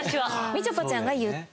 みちょぱちゃんが言って。